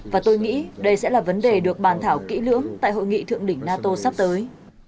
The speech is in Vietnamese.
và tôi nghĩ đây sẽ là vấn đề được bàn thảo kỹ lưỡng tại hội nghị thượng đỉnh nato sắp tới